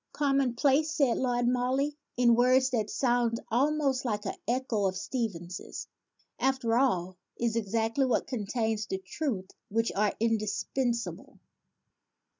"Common place," said Lord Morley (in words that sound almost like an echo of Stevenson's), "after all, is exactly what contains the truths which are indispensable."